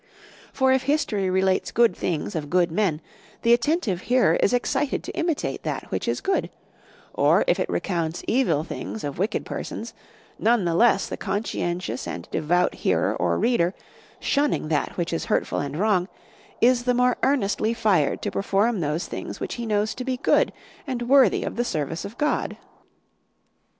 For if history relates good things of good men, the attentive hearer is excited to imitate that which is good; or if it recounts evil things of wicked persons, none the less the conscientious and devout hearer or reader, shunning that which is hurtful and wrong, is the more earnestly fired to perform those things which he knows to be good, and worthy of the service of God.